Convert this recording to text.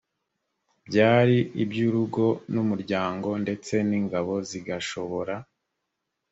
byari iby urugo n umuryango ndetse n ingabo zigashobora